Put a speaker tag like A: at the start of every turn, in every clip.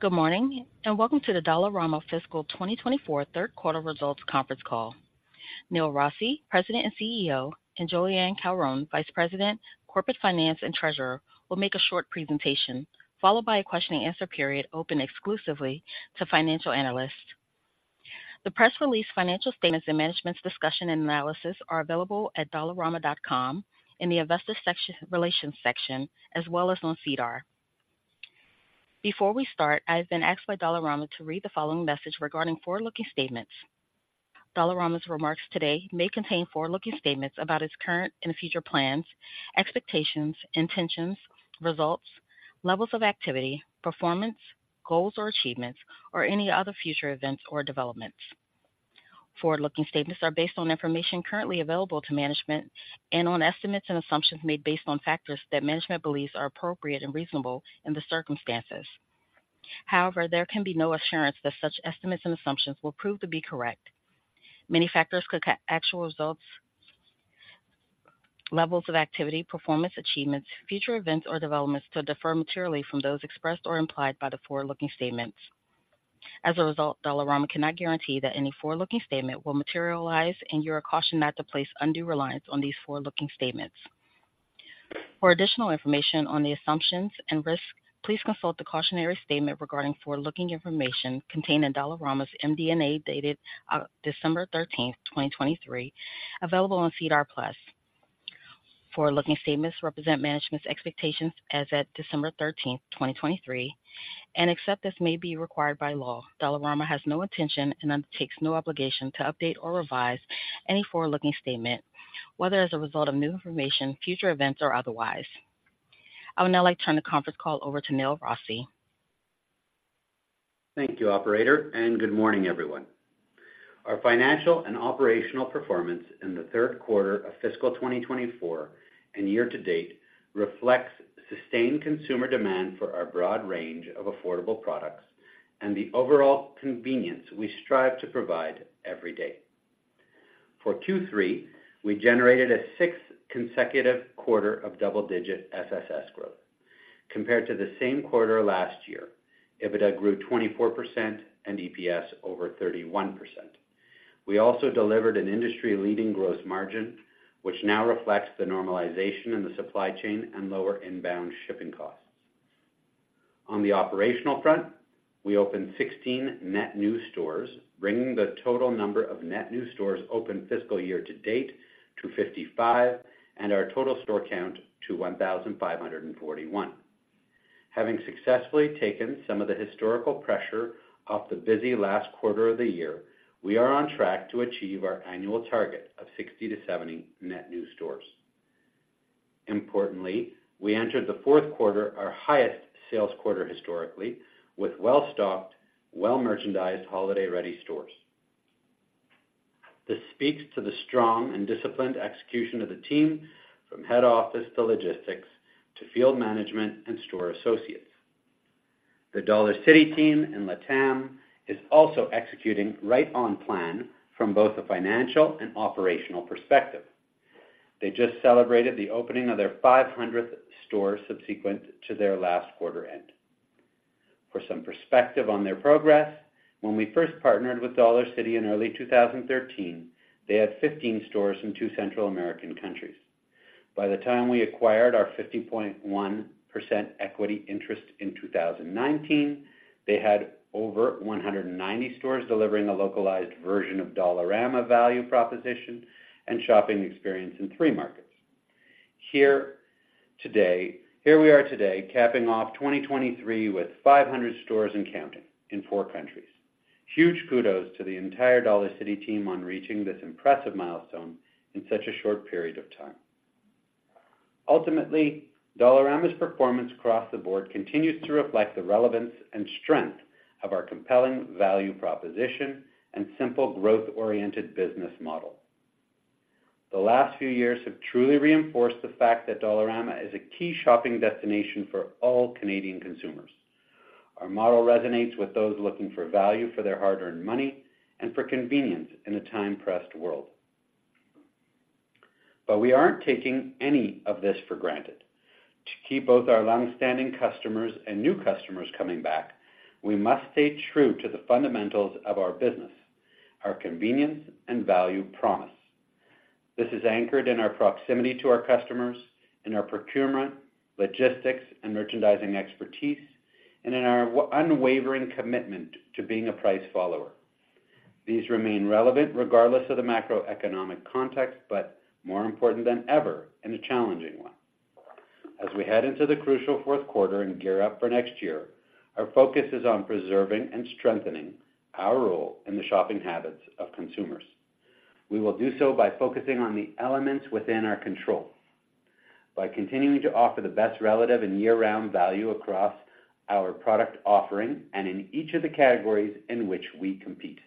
A: Good morning, and welcome to the Dollarama Fiscal 2024 third quarter results conference call. Neil Rossy, President and CEO, and Jolyane Caron, Vice President, Corporate Finance and Treasurer, will make a short presentation, followed by a question-and-answer period open exclusively to financial analysts. The press release, financial statements, and management's discussion and analysis are available at dollarama.com in the Investor Relations section, as well as on SEDAR+. Before we start, I have been asked by Dollarama to read the following message regarding forward-looking statements. Dollarama's remarks today may contain forward-looking statements about its current and future plans, expectations, intentions, results, levels of activity, performance, goals or achievements, or any other future events or developments. Forward-looking statements are based on information currently available to management and on estimates and assumptions made based on factors that management believes are appropriate and reasonable in the circumstances. However, there can be no assurance that such estimates and assumptions will prove to be correct. Many factors could cause actual results, levels of activity, performance, achievements, future events, or developments to differ materially from those expressed or implied by the forward-looking statements. As a result, Dollarama cannot guarantee that any forward-looking statement will materialize, and you are cautioned not to place undue reliance on these forward-looking statements. For additional information on the assumptions and risks, please consult the cautionary statement regarding forward-looking information contained in Dollarama's MD&A, dated December thirteenth, 2023, available on SEDAR+. Forward-looking statements represent management's expectations as at December thirteenth, 2023, and except as may be required by law, Dollarama has no intention and undertakes no obligation to update or revise any forward-looking statement, whether as a result of new information, future events, or otherwise. I would now like to turn the conference call over to Neil Rossy.
B: Thank you, operator, and good morning, everyone. Our financial and operational performance in the third quarter of fiscal 2024 and year-to-date reflects sustained consumer demand for our broad range of affordable products and the overall convenience we strive to provide every day. For Q3, we generated a sixth consecutive quarter of double-digit SSS growth. Compared to the same quarter last year, EBITDA grew 24% and EPS over 31%. We also delivered an industry-leading gross margin, which now reflects the normalization in the supply chain and lower inbound shipping costs. On the operational front, we opened 16 net new stores, bringing the total number of net new stores open fiscal year-to-date to 55 and our total store count to 1,541. Having successfully taken some of the historical pressure off the busy last quarter of the year, we are on track to achieve our annual target of 60-70 net new stores. Importantly, we entered the fourth quarter, our highest sales quarter historically, with well-stocked, well-merchandised, holiday-ready stores. This speaks to the strong and disciplined execution of the team, from head office to logistics to field management and store associates. The Dollarcity team in LATAM is also executing right on plan from both a financial and operational perspective. They just celebrated the opening of their 500th store subsequent to their last quarter end. For some perspective on their progress, when we first partnered with Dollarcity in early 2013, they had 15 stores in two Central American countries. By the time we acquired our 50.1% equity interest in 2019, they had over 190 stores delivering a localized version of Dollarama value proposition and shopping experience in three markets. Here we are today, capping off 2023 with 500 stores and counting in four countries. Huge kudos to the entire Dollarcity team on reaching this impressive milestone in such a short period of time. Ultimately, Dollarama's performance across the board continues to reflect the relevance and strength of our compelling value proposition and simple, growth-oriented business model. The last few years have truly reinforced the fact that Dollarama is a key shopping destination for all Canadian consumers. Our model resonates with those looking for value for their hard-earned money and for convenience in a time-pressed world. But we aren't taking any of this for granted. To keep both our long-standing customers and new customers coming back, we must stay true to the fundamentals of our business, our convenience and value promise. This is anchored in our proximity to our customers, in our procurement, logistics, and merchandising expertise, and in our unwavering commitment to being a price follower. These remain relevant regardless of the macroeconomic context, but more important than ever in a challenging one. As we head into the crucial fourth quarter and gear up for next year, our focus is on preserving and strengthening our role in the shopping habits of consumers. We will do so by focusing on the elements within our control, by continuing to offer the best relative and year-round value across our product offering and in each of the categories in which we compete.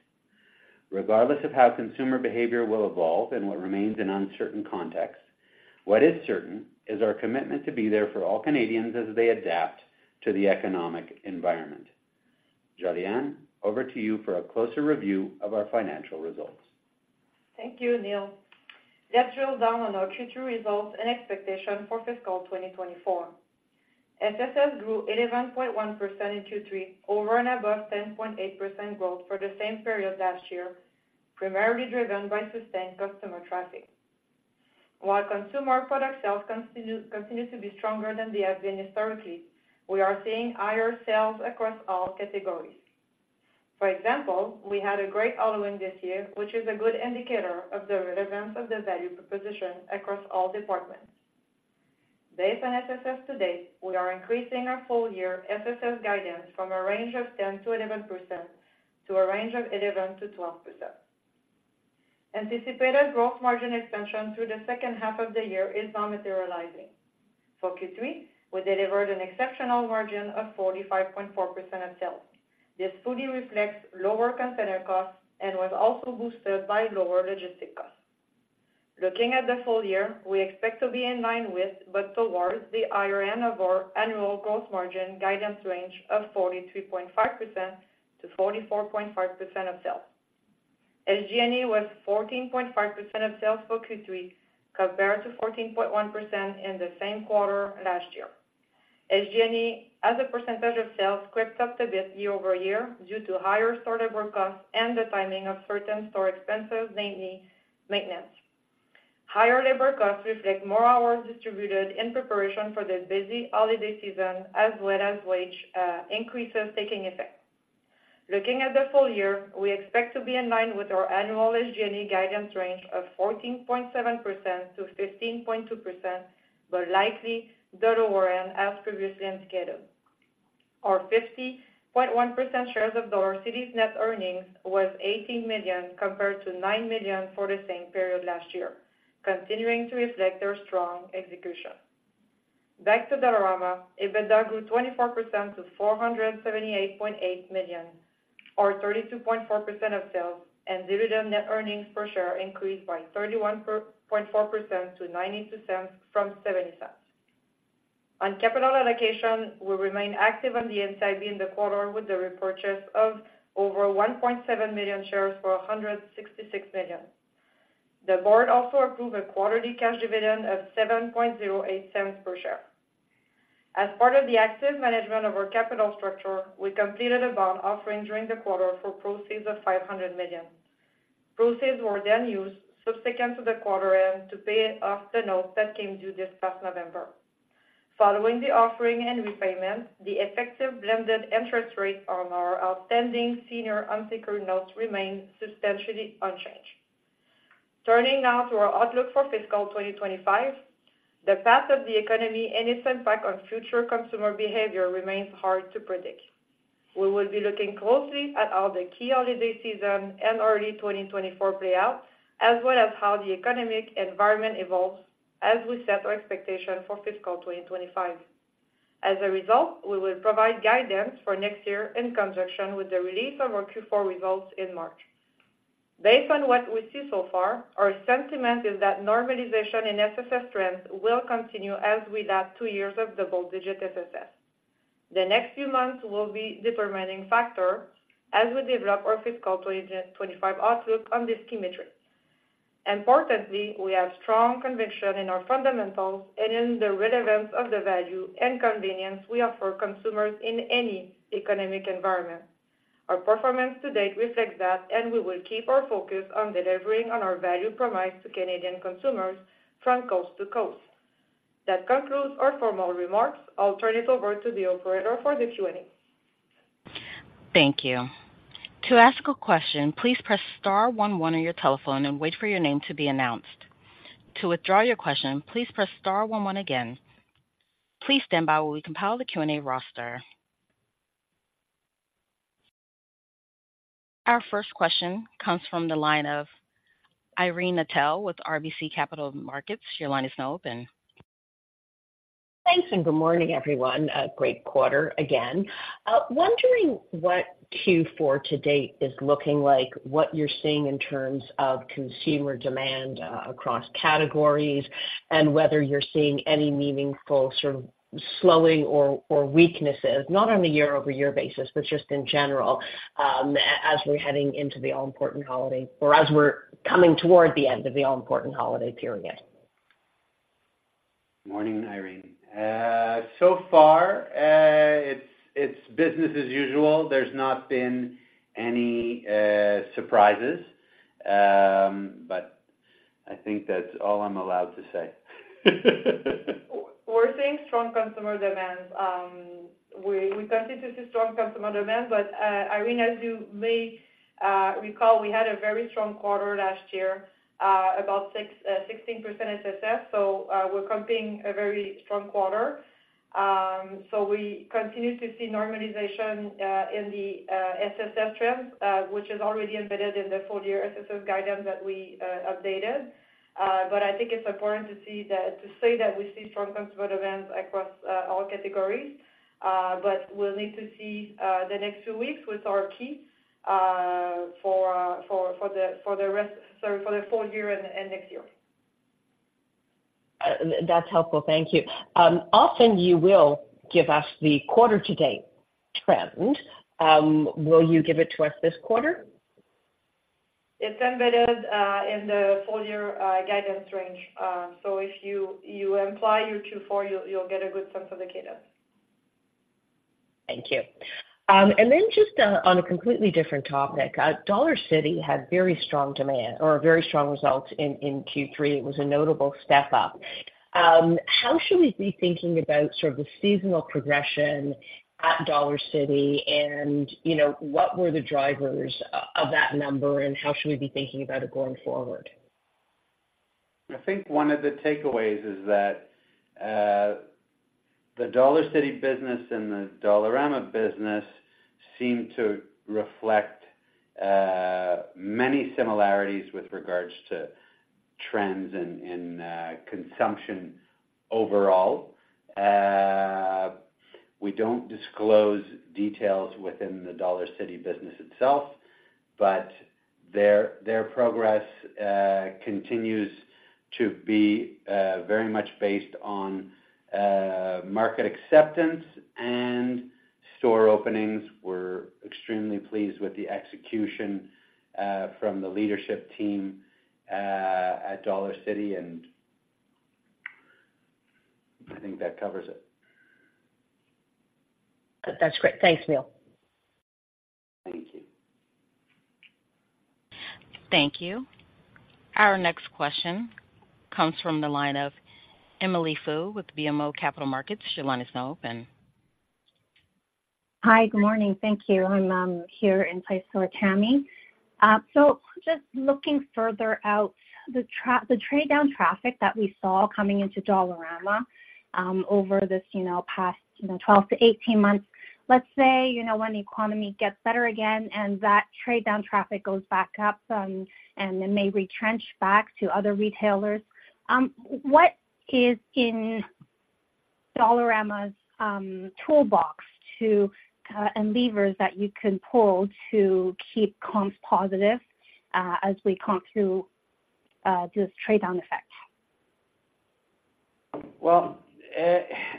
B: Regardless of how consumer behavior will evolve and what remains an uncertain context, what is certain is our commitment to be there for all Canadians as they adapt to the economic environment. Jolyane, over to you for a closer review of our financial results....
C: Thank you, Neil. Let's drill down on our Q2 results and expectation for fiscal 2024. SSS grew 11.1% in Q3, over and above 10.8% growth for the same period last year, primarily driven by sustained customer traffic. While consumer product sales continue to be stronger than they have been historically, we are seeing higher sales across all categories. For example, we had a great Halloween this year, which is a good indicator of the relevance of the value proposition across all departments. Based on SSS to date, we are increasing our full year SSS guidance from a range of 10%-11% to a range of 11%-12%. Anticipated gross margin expansion through the second half of the year is now materializing. For Q3, we delivered an exceptional margin of 45.4% of sales. This fully reflects lower container costs and was also boosted by lower logistic costs. Looking at the full year, we expect to be in line with, but towards the higher end of our annual gross margin guidance range of 43.5%-44.5% of sales. SG&A was 14.5% of sales for Q3, compared to 14.1% in the same quarter last year. SG&A, as a percentage of sales, crept up a bit year-over-year due to higher store labor costs and the timing of certain store expenses, mainly maintenance. Higher labor costs reflect more hours distributed in preparation for this busy holiday season, as well as wage increases taking effect. Looking at the full year, we expect to be in line with our annual SG&A guidance range of 14.7%-15.2%, but likely the lower end as previously indicated. Our 50.1% shares of Dollarcity's net earnings was 18 million, compared to 9 million for the same period last year, continuing to reflect their strong execution. Back to Dollarama, EBITDA grew 24% to 478.8 million, or 32.4% of sales, and dividend net earnings per share increased by 31.4% to 0.92 from 0.70. On capital allocation, we remain active on the NCIB in the quarter with the repurchase of over 1.7 million shares for 166 million. The board also approved a quarterly cash dividend of 0.708 per share. As part of the active management of our capital structure, we completed a bond offering during the quarter for proceeds of 500 million. Proceeds were then used subsequent to the quarter end to pay off the notes that came due this past November. Following the offering and repayment, the effective blended interest rate on our outstanding senior unsecured notes remained substantially unchanged. Turning now to our outlook for fiscal 2025, the path of the economy and its impact on future consumer behavior remains hard to predict. We will be looking closely at how the key holiday season and early 2024 play out, as well as how the economic environment evolves as we set our expectation for fiscal 2025. As a result, we will provide guidance for next year in conjunction with the release of our Q4 results in March. Based on what we see so far, our sentiment is that normalization in SSS trends will continue as we add two years of double-digit SSS. The next few months will be determining factor as we develop our fiscal 2025 outlook on this key metric. Importantly, we have strong conviction in our fundamentals and in the relevance of the value and convenience we offer consumers in any economic environment. Our performance to date reflects that, and we will keep our focus on delivering on our value promise to Canadian consumers from coast to coast. That concludes our formal remarks. I'll turn it over to the operator for the Q&A.
A: Thank you. To ask a question, please press star one one on your telephone and wait for your name to be announced. To withdraw your question, please press star one one again. Please stand by while we compile the Q&A roster. Our first question comes from the line of Irene Nattel with RBC Capital Markets. Your line is now open.
D: Thanks, and good morning, everyone. A great quarter again. Wondering what Q4 to date is looking like, what you're seeing in terms of consumer demand, across categories, and whether you're seeing any meaningful sort of slowing or weaknesses, not on a year-over-year basis, but just in general, as we're heading into the all-important holiday, or as we're coming toward the end of the all-important holiday period.
B: Morning, Irene. So far, it's business as usual. There's not been any surprises. But I think that's all I'm allowed to say.
C: We're seeing strong customer demands. We continue to see strong customer demand, but Irene, as you may recall, we had a very strong quarter last year, about 16% SSS, so we're comparing a very strong quarter. So we continue to see normalization in the SSS trends, which is already embedded in the full year SSS guidance that we updated. But I think it's important to see that to say that we see strong customer demands across all categories, but we'll need to see the next few weeks, which are key for the rest, sorry, for the full year and next year....
D: That's helpful. Thank you. Often you will give us the quarter to date trend. Will you give it to us this quarter?
E: It's embedded in the full year guidance range. So if you imply year 2024, you'll get a good sense of the cadence.
D: Thank you. And then just, on a completely different topic, Dollarcity had very strong demand or very strong results in Q3. It was a notable step up. How should we be thinking about sort of the seasonal progression at Dollarcity? And, you know, what were the drivers of that number, and how should we be thinking about it going forward?
B: I think one of the takeaways is that, the Dollarcity business and the Dollarama business seem to reflect, many similarities with regards to trends and, and, consumption overall. We don't disclose details within the Dollarcity business itself, but their progress continues to be very much based on market acceptance and store openings. We're extremely pleased with the execution from the leadership team at Dollarcity, and I think that covers it.
D: That's great. Thanks, Neil.
B: Thank you.
A: Thank you. Our next question comes from the line of Emily Fu with BMO Capital Markets. Your line is now open.
F: Hi, good morning. Thank you. I'm here in place for Tamy. So just looking further out, the trade down traffic that we saw coming into Dollarama, over this, you know, past, you know, 12-18 months, let's say, you know, when the economy gets better again, and that trade down traffic goes back up, and it may retrench back to other retailers, what is in Dollarama's toolbox to, and levers that you can pull to keep comps positive, as we come through this trade down effect?
B: Well,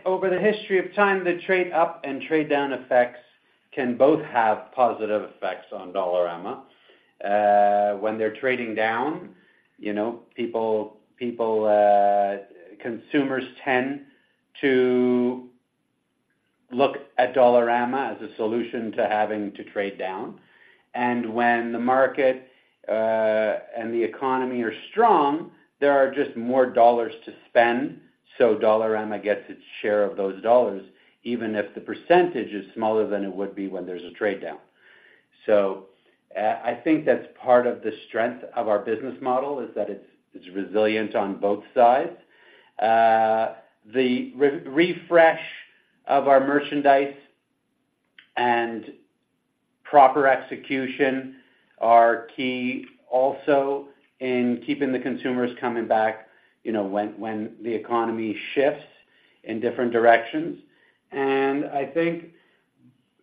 B: over the history of time, the trade up and trade down effects can both have positive effects on Dollarama. When they're trading down, you know, people, consumers tend to look at Dollarama as a solution to having to trade down. And when the market and the economy are strong, there are just more dollars to spend, so Dollarama gets its share of those dollars, even if the percentage is smaller than it would be when there's a trade down. So, I think that's part of the strength of our business model, is that it's resilient on both sides. The refresh of our merchandise and proper execution are key also in keeping the consumers coming back, you know, when the economy shifts in different directions. I think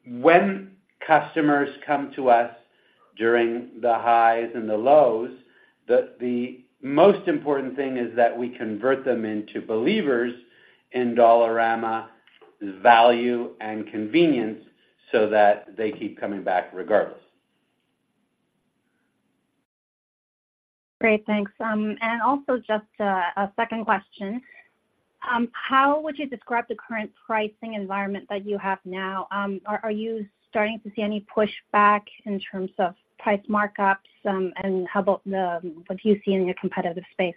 B: when customers come to us during the highs and the lows, the most important thing is that we convert them into believers in Dollarama's value and convenience, so that they keep coming back regardless.
F: Great, thanks. And also just a second question. How would you describe the current pricing environment that you have now? Are you starting to see any pushback in terms of price markups? And how about what do you see in your competitive space?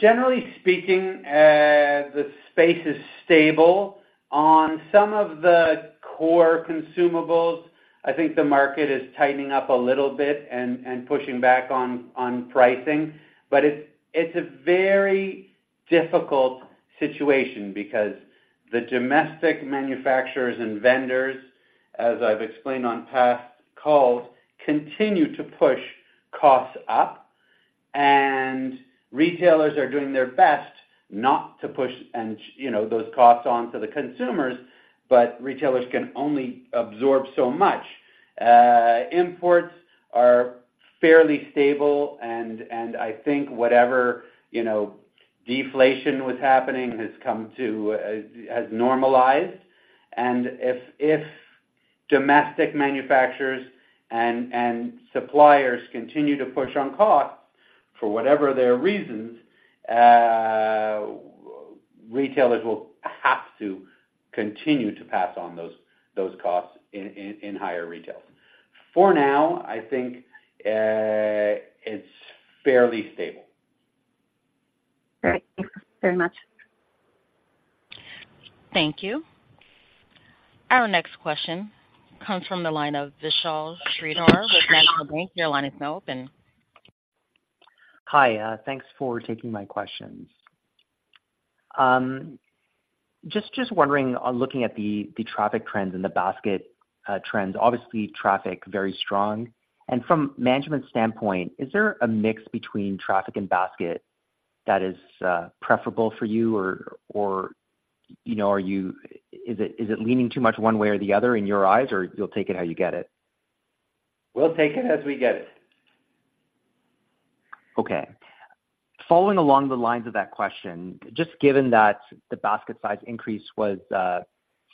B: Generally speaking, the space is stable. On some of the core consumables, I think the market is tightening up a little bit and pushing back on pricing. But it's a very difficult situation because the domestic manufacturers and vendors, as I've explained on past calls, continue to push costs up, and retailers are doing their best not to push and you know those costs on to the consumers, but retailers can only absorb so much. Imports are fairly stable, and I think whatever you know deflation was happening has come to has normalized. And if domestic manufacturers and suppliers continue to push on costs, for whatever their reasons, retailers will have to continue to pass on those costs in higher retail. For now, I think it's fairly stable.
F: Great. Thank you very much.
A: Thank you. Our next question comes from the line of Vishal Shreedhar with National Bank. Your line is now open.
E: Hi, thanks for taking my questions. Just wondering, on looking at the traffic trends and the basket trends, obviously traffic very strong. From management standpoint, is there a mix between traffic and basket that is preferable for you or, you know, are you- is it leaning too much one way or the other in your eyes, or you'll take it how you get it?...
C: We'll take it as we get it.
E: Okay. Following along the lines of that question, just given that the basket size increase was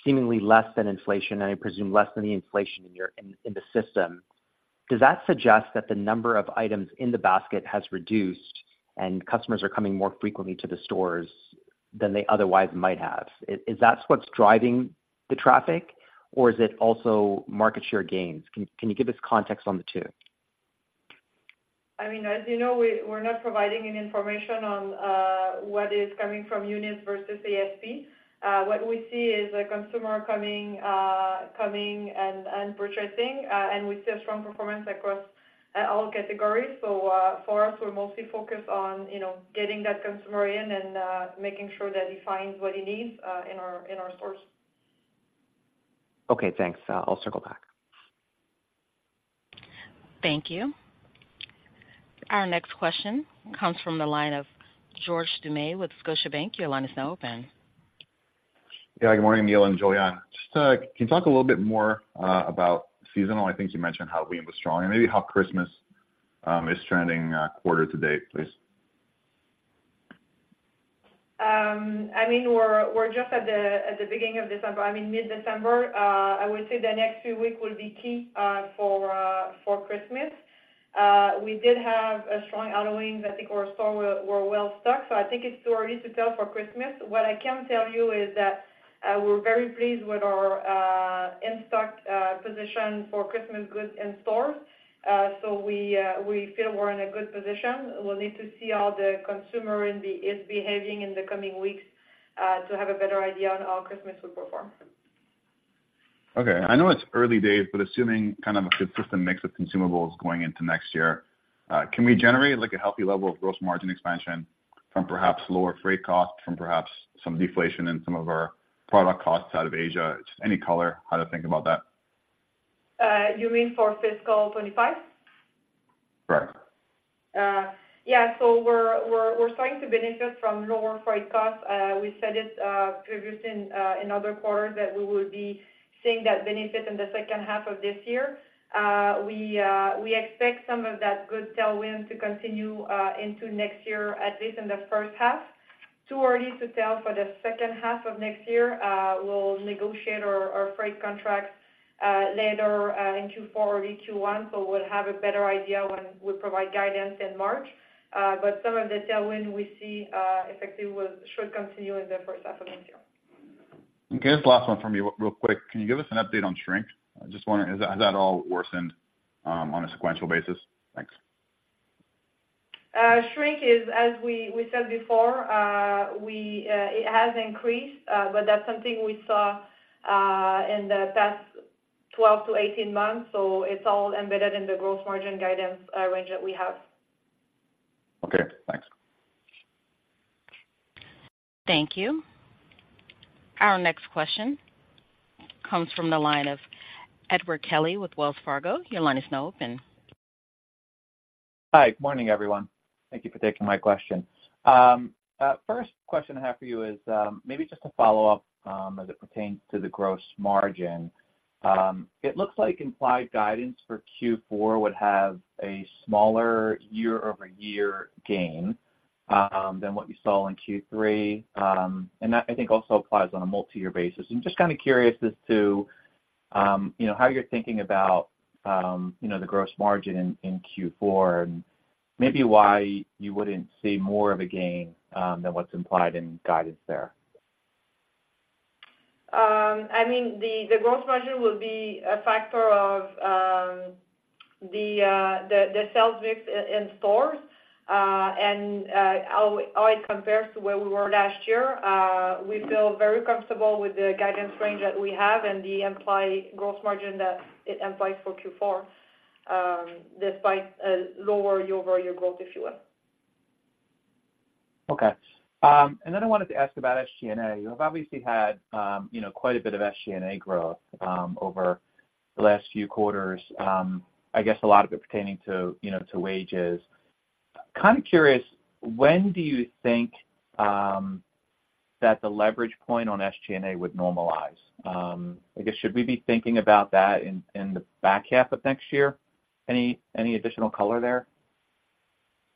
E: seemingly less than inflation, and I presume less than the inflation in your system, does that suggest that the number of items in the basket has reduced and customers are coming more frequently to the stores than they otherwise might have? Is that what's driving the traffic, or is it also market share gains? Can you give us context on the two?
C: I mean, as you know, we're not providing any information on what is coming from units versus ASP. What we see is the consumer coming and purchasing, and we see a strong performance across all categories. So, for us, we're mostly focused on, you know, getting that consumer in and making sure that he finds what he needs in our stores.
E: Okay, thanks. I'll circle back.
A: Thank you. Our next question comes from the line of George Doumet with Scotiabank. Your line is now open.
G: Yeah, good morning, Neil and Jolyane. Just, can you talk a little bit more about seasonal? I think you mentioned Halloween was strong, and maybe how Christmas is trending quarter to date, please?
C: I mean, we're just at the beginning of December, I mean, mid-December. I would say the next few weeks will be key for Christmas. We did have a strong Halloween. I think our stores were well stocked, so I think it's too early to tell for Christmas. What I can tell you is that we're very pleased with our in-stock position for Christmas goods in stores. So we feel we're in a good position. We'll need to see how the consumer is behaving in the coming weeks to have a better idea on how Christmas will perform.
G: Okay. I know it's early days, but assuming kind of a good system mix of consumables going into next year, can we generate, like, a healthy level of gross margin expansion from perhaps lower freight costs, from perhaps some deflation in some of our product costs out of Asia? Just any color, how to think about that.
C: You mean for fiscal 25?
G: Correct.
C: Yeah, so we're starting to benefit from lower freight costs. We said it previously in other quarters that we would be seeing that benefit in the second half of this year. We expect some of that good tailwind to continue into next year, at least in the first half. Too early to tell for the second half of next year. We'll negotiate our freight contracts later in Q4 or Q1, so we'll have a better idea when we provide guidance in March. But some of the tailwind we see effectively should continue in the first half of next year.
G: Okay, this is the last one from me, real quick. Can you give us an update on shrink? I just wonder, has that all worsened, on a sequential basis? Thanks.
C: Shrink is, as we said before, it has increased, but that's something we saw in the past 12-18 months, so it's all embedded in the gross margin guidance range that we have.
G: Okay, thanks.
A: Thank you. Our next question comes from the line of Edward Kelly with Wells Fargo. Your line is now open.
H: Hi, good morning, everyone. Thank you for taking my question. First question I have for you is, maybe just to follow up, as it pertains to the gross margin. It looks like implied guidance for Q4 would have a smaller year-over-year gain, than what we saw in Q3, and that I think also applies on a multiyear basis. I'm just kind of curious as to, you know, how you're thinking about, you know, the gross margin in Q4, and maybe why you wouldn't see more of a gain, than what's implied in guidance there?
C: I mean, the gross margin will be a factor of the sales mix in stores, and how it compares to where we were last year. We feel very comfortable with the guidance range that we have and the implied gross margin that it implies for Q4, despite a lower year-over-year growth, if you will.
H: Okay. And then I wanted to ask about SG&A. You have obviously had, you know, quite a bit of SG&A growth, over the last few quarters. I guess a lot of it pertaining to, you know, to wages. Kind of curious, when do you think that the leverage point on SG&A would normalize? I guess, should we be thinking about that in the back half of next year? Any additional color there?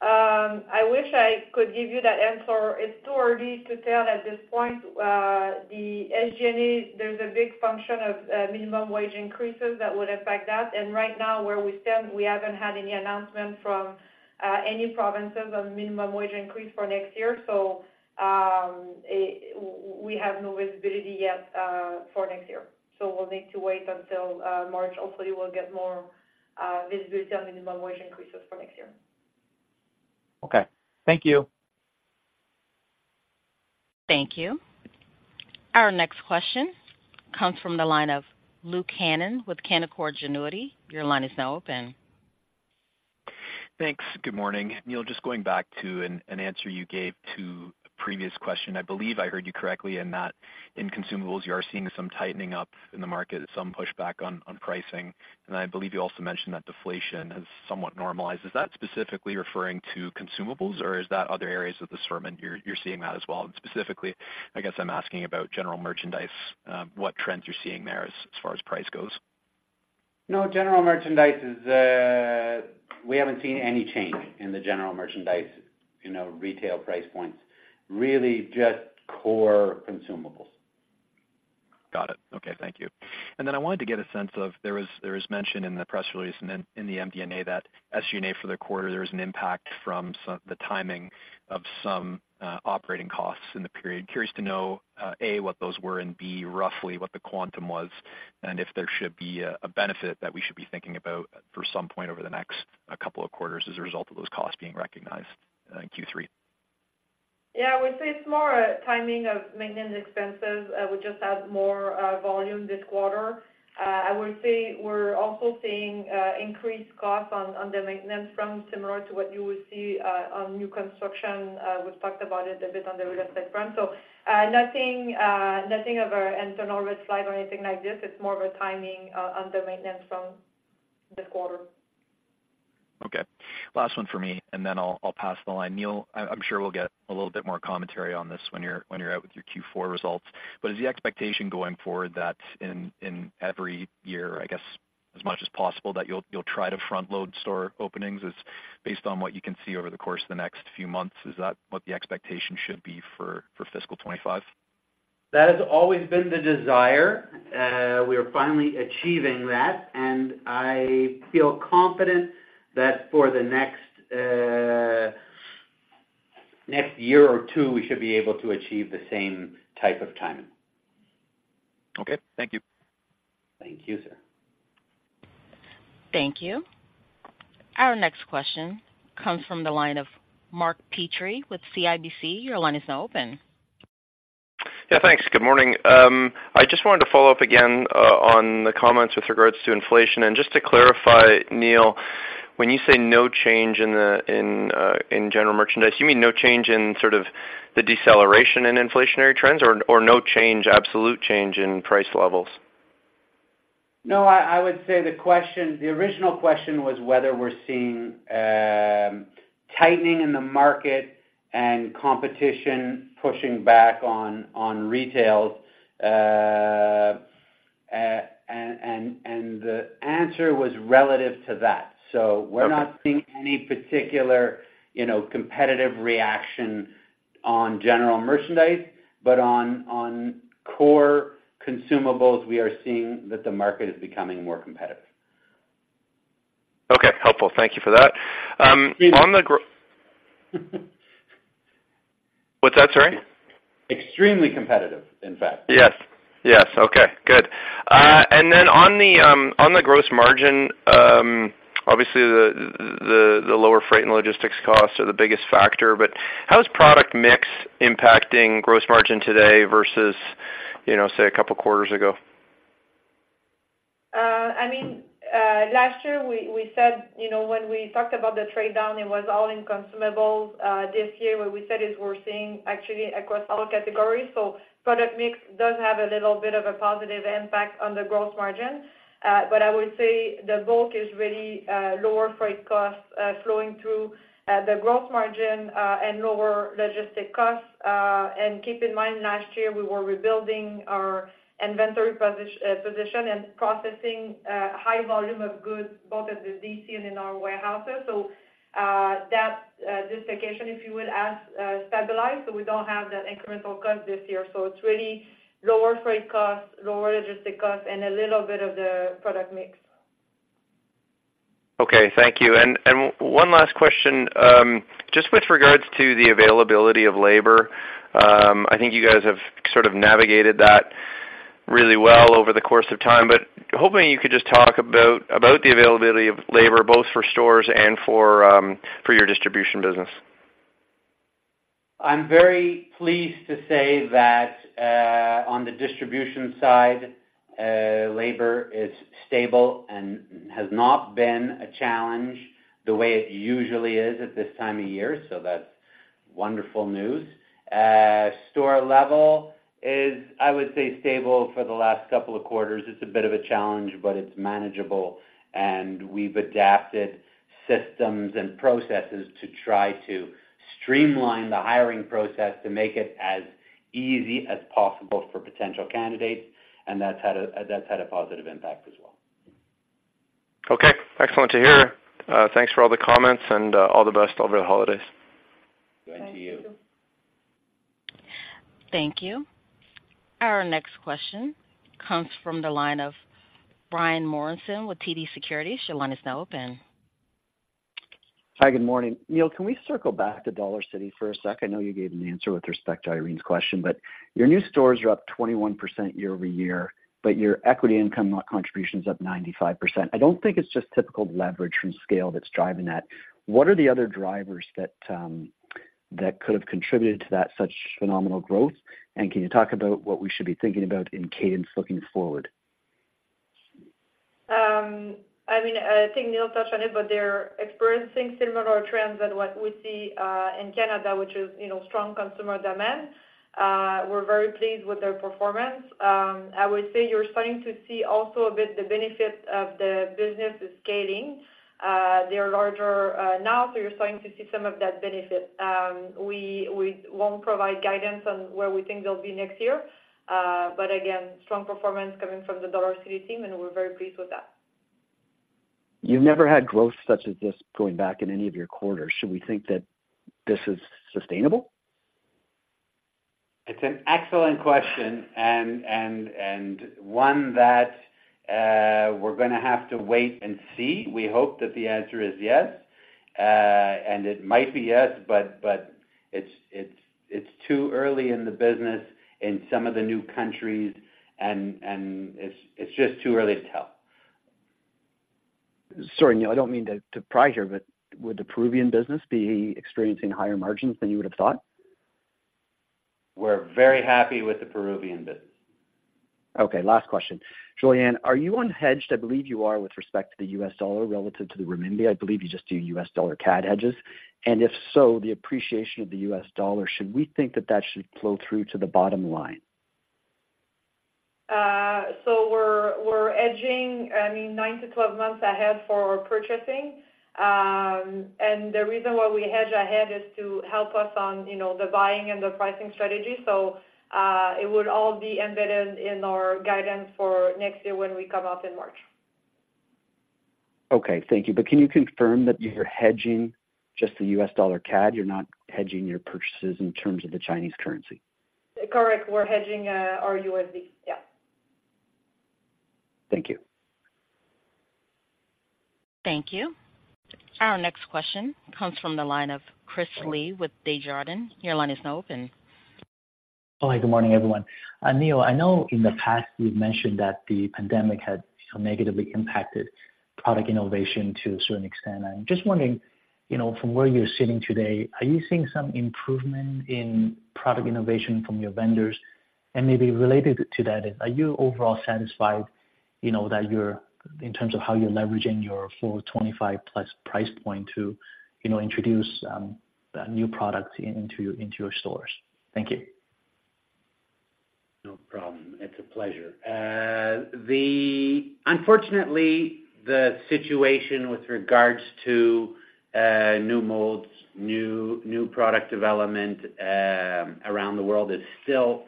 C: I wish I could give you that answer. It's too early to tell at this point. The SG&A, there's a big function of minimum wage increases that would affect that. Right now, where we stand, we haven't had any announcement from any provinces on minimum wage increase for next year, so we have no visibility yet for next year. We'll need to wait until March. Hopefully, we'll get more visibility on minimum wage increases for next year.
H: Okay. Thank you.
A: Thank you. Our next question comes from the line of Luke Hannan with Canaccord Genuity. Your line is now open.
I: Thanks. Good morning. Neil, just going back to an answer you gave to a previous question. I believe I heard you correctly, and that in consumables, you are seeing some tightening up in the market, some pushback on pricing. And I believe you also mentioned that deflation has somewhat normalized. Is that specifically referring to consumables, or is that other areas of the store, and you're seeing that as well? And specifically, I guess I'm asking about general merchandise, what trends you're seeing there as far as price goes? ...
B: No, general merchandise is, we haven't seen any change in the general merchandise, you know, retail price points, really just core consumables.
I: Got it. Okay, thank you. And then I wanted to get a sense of, there was, there was mention in the press release and then in the MD&A, that SG&A for the quarter, there was an impact from the timing of some operating costs in the period. Curious to know, A, what those were, and B, roughly what the quantum was, and if there should be a benefit that we should be thinking about for some point over the next couple of quarters as a result of those costs being recognized in Q3?
C: Yeah, I would say it's more a timing of maintenance expenses. We just had more volume this quarter. I would say we're also seeing increased costs on the maintenance front, similar to what you would see on new construction. We've talked about it a bit on the real estate front. So, nothing of an internal red flag or anything like this. It's more of a timing on the maintenance front this quarter.
I: Okay. Last one for me, and then I'll pass the line. Neil, I'm sure we'll get a little bit more commentary on this when you're out with your Q4 results. But is the expectation going forward that in every year, I guess, as much as possible, that you'll try to front-load store openings based on what you can see over the course of the next few months, is that what the expectation should be for fiscal 2025?
B: That has always been the desire. We are finally achieving that, and I feel confident that for the next year or two, we should be able to achieve the same type of timing.
I: Okay, thank you.
B: Thank you, sir.
A: Thank you. Our next question comes from the line of Mark Petrie with CIBC. Your line is now open.
J: Yeah, thanks. Good morning. I just wanted to follow up again on the comments with regards to inflation. And just to clarify, Neil, when you say no change in the general merchandise, you mean no change in sort of the deceleration in inflationary trends or no change, absolute change in price levels?
B: No, I, I would say the question—the original question was whether we're seeing tightening in the market and competition pushing back on, on retail, and the answer was relative to that.
J: Okay.
B: So we're not seeing any particular, you know, competitive reaction on general merchandise, but on core consumables, we are seeing that the market is becoming more competitive.
J: Okay, helpful. Thank you for that. What's that, sorry?
B: Extremely competitive, in fact.
J: Yes. Yes. Okay, good. And then on the gross margin, obviously, the lower freight and logistics costs are the biggest factor, but how is product mix impacting gross margin today versus, you know, say, a couple quarters ago?
C: I mean, last year, we said, you know, when we talked about the trade down, it was all in consumables. This year, what we said is we're seeing actually across all categories. So product mix does have a little bit of a positive impact on the gross margin. But I would say the bulk is really lower freight costs flowing through the gross margin, and lower logistic costs. And keep in mind, last year, we were rebuilding our inventory position and processing high volume of goods, both at the DC and in our warehouses. So that dislocation, if you will, has stabilized, so we don't have that incremental cost this year. So it's really lower freight costs, lower logistic costs, and a little bit of the product mix.
J: Okay, thank you. And one last question, just with regards to the availability of labor, I think you guys have sort of navigated that really well over the course of time, but hoping you could just talk about the availability of labor, both for stores and for your distribution business.
B: I'm very pleased to say that, on the distribution side, labor is stable and has not been a challenge the way it usually is at this time of year, so that's wonderful news. Store level is, I would say, stable for the last couple of quarters. It's a bit of a challenge, but it's manageable, and we've adapted systems and processes to try to streamline the hiring process to make it as easy as possible for potential candidates, and that's had a positive impact as well.
J: Okay, excellent to hear. Thanks for all the comments and all the best over the holidays.
B: And to you.
C: Thank you.
A: Thank you. Our next question comes from the line of Brian Morrison with TD Securities. Your line is now open. Hi, good morning. Neil, can we circle back to Dollarcity for a sec? I know you gave an answer with respect to Irene's question, but your new stores are up 21% year-over-year, but your equity income contribution is up 95%. I don't think it's just typical leverage from scale that's driving that. What are the other drivers that, that could have contributed to that such phenomenal growth? And can you talk about what we should be thinking about in cadence looking forward?
C: I mean, I think Neil touched on it, but they're experiencing similar trends than what we see in Canada, which is, you know, strong consumer demand. We're very pleased with their performance. I would say you're starting to see also a bit the benefit of the business is scaling. They are larger now, so you're starting to see some of that benefit. We, we won't provide guidance on where we think they'll be next year, but again, strong performance coming from the Dollarcity team, and we're very pleased with that. ...
K: You've never had growth such as this going back in any of your quarters. Should we think that this is sustainable?
B: It's an excellent question and one that we're gonna have to wait and see. We hope that the answer is yes. And it might be yes, but it's too early in the business in some of the new countries, and it's just too early to tell.
K: Sorry, Neil, I don't mean to pry here, but would the Peruvian business be experiencing higher margins than you would have thought?
B: We're very happy with the Peruvian business.
K: Okay, last question. Jolyane, are you unhedged? I believe you are with respect to the U.S. dollar relative to the renminbi. I believe you just do U.S. dollar CAD hedges, and if so, the appreciation of the U.S. dollar, should we think that that should flow through to the bottom line?
C: We're hedging, I mean, 9-12 months ahead for our purchasing. The reason why we hedge ahead is to help us on, you know, the buying and the pricing strategy. It would all be embedded in our guidance for next year when we come out in March.
K: Okay, thank you. But can you confirm that you're hedging just the U.S. dollar CAD, you're not hedging your purchases in terms of the Chinese currency?
C: Correct. We're hedging our USD. Yeah.
K: Thank you.
A: Thank you. Our next question comes from the line of Chris Li with Desjardins. Your line is now open.
L: Hi, good morning, everyone. Neil, I know in the past you've mentioned that the pandemic had negatively impacted product innovation to a certain extent. I'm just wondering, you know, from where you're sitting today, are you seeing some improvement in product innovation from your vendors? And maybe related to that, are you overall satisfied, you know, that you're, in terms of how you're leveraging your 4.25+ price point to, you know, introduce new products into your, into your stores? Thank you.
B: No problem. It's a pleasure. Unfortunately, the situation with regards to new molds, new product development around the world is still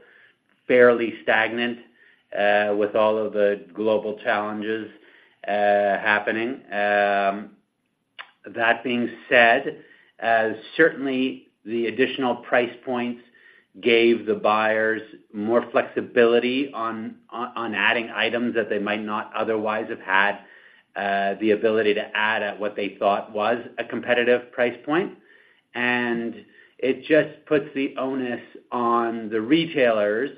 B: fairly stagnant with all of the global challenges happening. That being said, certainly, the additional price points gave the buyers more flexibility on adding items that they might not otherwise have had the ability to add at what they thought was a competitive price point. It just puts the onus on the retailers,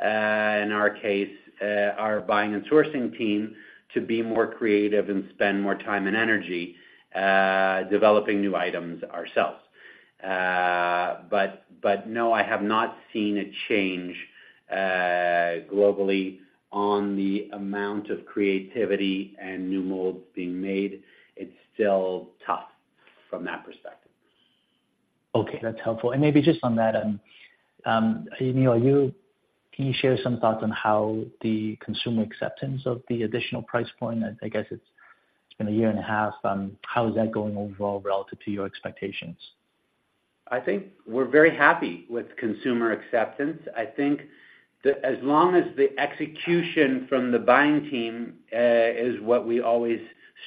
B: in our case, our buying and sourcing team, to be more creative and spend more time and energy developing new items ourselves. But no, I have not seen a change globally on the amount of creativity and new molds being made. It's still tough from that perspective.
L: Okay, that's helpful. And maybe just on that, you know, can you share some thoughts on how the consumer acceptance of the additional price point, I guess it's been a year and a half, how is that going overall relative to your expectations?
B: I think we're very happy with consumer acceptance. I think that as long as the execution from the buying team is what we always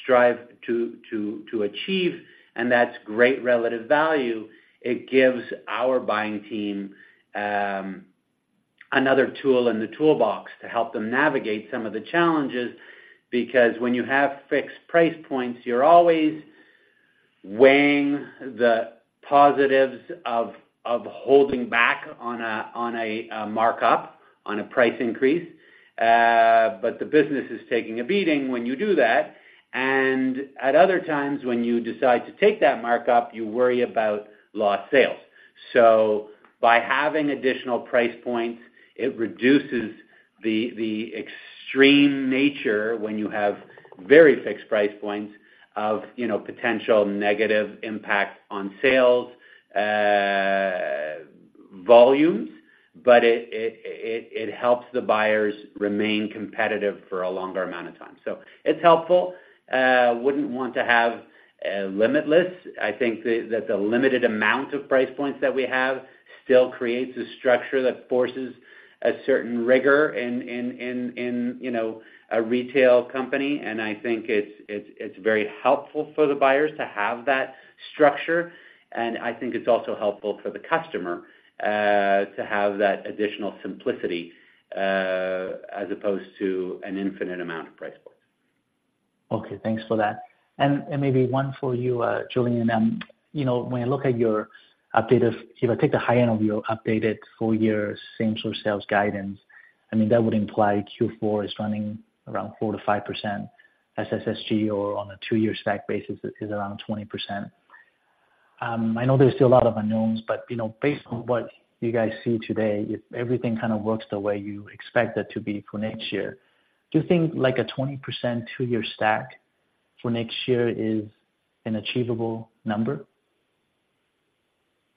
B: strive to achieve, and that's great relative value, it gives our buying team another tool in the toolbox to help them navigate some of the challenges, because when you have fixed price points, you're always weighing the positives of holding back on a markup, on a price increase, but the business is taking a beating when you do that. And at other times, when you decide to take that markup, you worry about lost sales. So by having additional price points, it reduces the extreme nature when you have very fixed price points of, you know, potential negative impact on sales volumes, but it helps the buyers remain competitive for a longer amount of time. So it's helpful. Wouldn't want to have limitless. I think that the limited amount of price points that we have still creates a structure that forces a certain rigor in you know, a retail company, and I think it's very helpful for the buyers to have that structure. And I think it's also helpful for the customer to have that additional simplicity as opposed to an infinite amount of price points.
L: Okay, thanks for that. And maybe one for you, Jolyane. You know, when I look at your updated, if I take the high end of your updated full year same store sales guidance, I mean, that would imply Q4 is running around 4%-5% SSG or on a two-year stack basis is around 20%. I know there's still a lot of unknowns, but, you know, based on what you guys see today, if everything kind of works the way you expect it to be for next year, do you think like a 20% two-year stack for next year is an achievable number?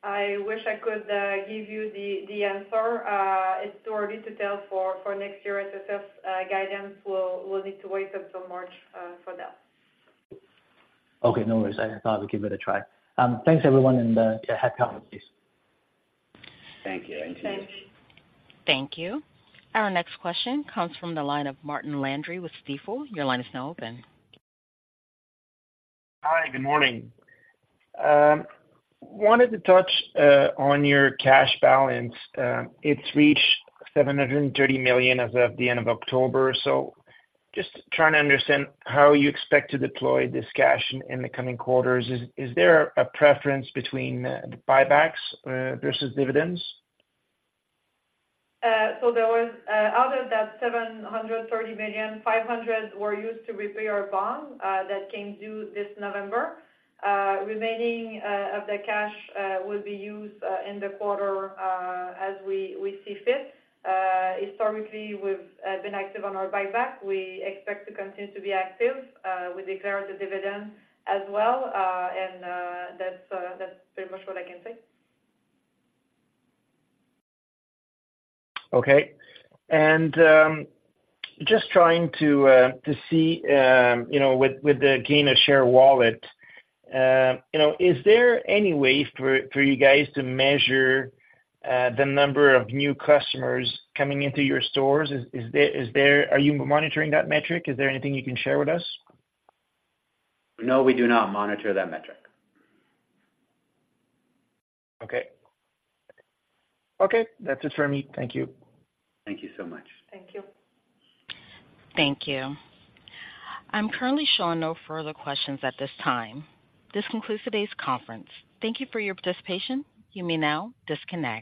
C: I wish I could give you the answer. It's too early to tell for next year SS guidance. We'll need to wait until March for that.
L: Okay, no worries. I thought I'd give it a try. Thanks, everyone, and yeah, happy holidays.
B: Thank you.
C: Thanks.
A: Thank you. Our next question comes from the line of Martin Landry with Stifel. Your line is now open.
M: Hi, good morning. Wanted to touch on your cash balance. It's reached 730 million as of the end of October, so just trying to understand how you expect to deploy this cash in the coming quarters. Is there a preference between the buybacks versus dividends?
C: So there was out of that 730 million, 500 were used to repay our bond that came due this November. Remaining of the cash will be used in the quarter as we see fit. Historically, we've been active on our buyback. We expect to continue to be active. We declared the dividend as well, and that's pretty much what I can say.
M: Okay. Just trying to see, you know, with the gain of share wallet, you know, is there any way for you guys to measure the number of new customers coming into your stores? Is there? Are you monitoring that metric? Is there anything you can share with us?
B: No, we do not monitor that metric.
M: Okay. Okay, that's it for me. Thank you.
B: Thank you so much.
C: Thank you.
A: Thank you. I'm currently showing no further questions at this time. This concludes today's conference. Thank you for your participation. You may now disconnect.